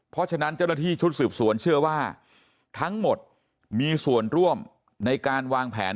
เพราะฉะนั้นเจ้าหน้าที่ชุดสืบสวนเชื่อว่าทั้งหมดมีส่วนร่วมในการวางแผน